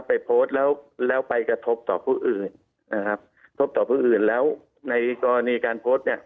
ไปโพสต์แล้วไปกระทบต่อผู้อื่นส่วนนี้การโพสต์